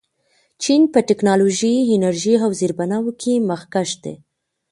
چین په ټیکنالوژۍ، انرژۍ او زیربناوو کې مخکښ دی.